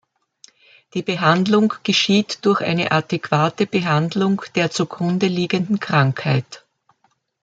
Die Behandlung geschieht durch eine adäquate Behandlung der zu Grunde liegenden Krankheit.